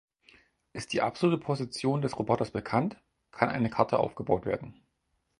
Ist die absolute Position des Roboters bekannt, kann eine Karte aufgebaut werden.